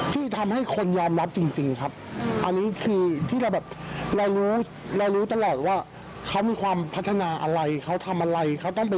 ทุกร้านจะเจ้งลงกับพวกเรามากครับ